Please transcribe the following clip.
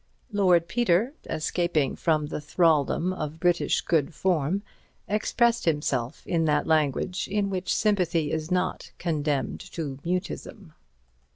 Lord Peter, escaping from the thraldom of British good form, expressed himself in that language in which sympathy is not condemned to mutism.